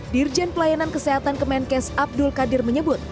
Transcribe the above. dirjen pelayanan kesehatan kemenkes abdul qadir menyebut